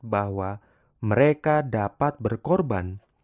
bahwa mereka dapat berkorban